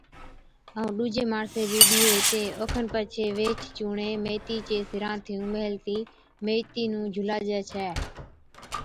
ائُون ڏُوجين ماڻسين بِي ڏيئَي ھِتين۔ اوکن پڇي ويھِچ چُونڻين ميٿي چي سِرھانٿِيُون ميھلتِي ميٿي نُون جھُلاجي ڇَي